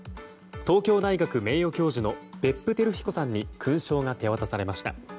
東京大学名誉教授の別府輝彦さんに勲章が手渡されました。